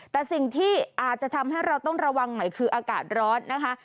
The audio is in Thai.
แต่สิ่งที่อาจจะทำให้เราต้องระวังหน่อยคืออากาศร้อนนะคะ